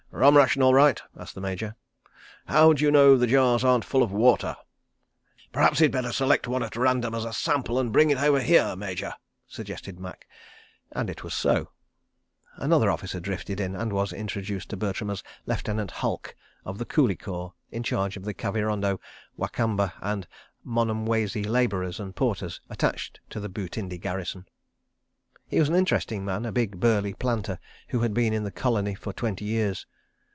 "Rum ration all right?" asked the Major. "How do you know the jars aren't full of water?" "P'raps he'd better select one at random as a sample and bring it over here, Major," suggested Macke. And it was so. ... Another officer drifted in and was introduced to Bertram as Lieutenant Halke of the Coolie Corps, in charge of the Kavirondo, Wakamba, and Monumwezi labourers and porters attached to the Butindi garrison. He was an interesting man, a big, burly planter, who had been in the colony for twenty years.